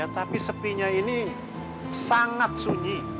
tapi sepinya ini sangat sunyi